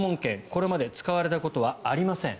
これまで使われたことはありません。